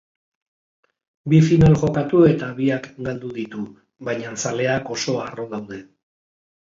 Bi final jokatu eta biak galdu ditu, baina zaleak oso harro daude.